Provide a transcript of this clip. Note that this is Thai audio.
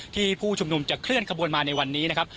ผู้ชุมนุมจะเคลื่อนขบวนมาในวันนี้นะครับ